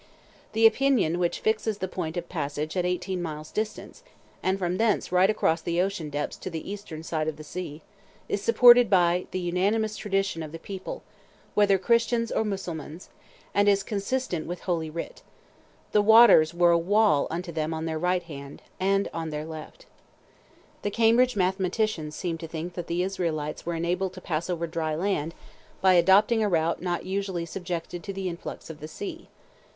The opinion which fixes the point of passage at eighteen miles' distance, and from thence right across the ocean depths to the eastern side of the sea, is supported by the unanimous tradition of the people, whether Christians or Mussulmans, and is consistent with Holy Writ: "the waters were a wall unto them on their right hand, and on their left." The Cambridge mathematicians seem to think that the Israelites were enabled to pass over dry land by adopting a route not usually subjected to the influx of the sea.